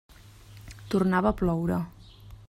Tornava a ploure.